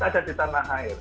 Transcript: ada di tanah air